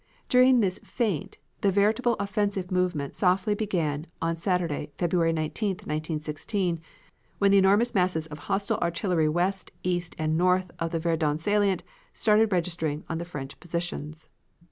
During this feint the veritable offensive movement softly began on Saturday, February 19, 1916, when the enormous masses of hostile artillery west, east, and north of the Verdun salient started registering on the French positions.